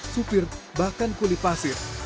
supir bahkan kulit pasir